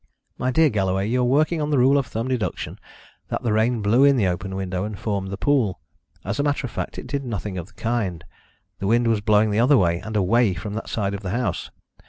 "My dear Galloway, you are working on the rule of thumb deduction that the rain blew in the open window and formed the pool. As a matter of fact, it did nothing of the kind. The wind was blowing the other way, and away from that side of the house.